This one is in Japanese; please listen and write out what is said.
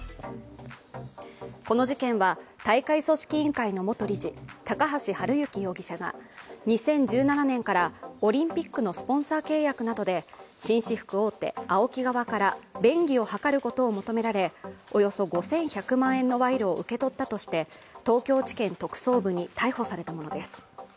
この事件は大会組織委員会の元理事高橋治之容疑者が２０１７年からオリンピックのスポンサー契約などで紳士服大手、ＡＯＫＩ側から便宜を図ることを求められおよそ５１００万円の賄賂を受け取ったとして東京地検特捜部に逮捕されたものです。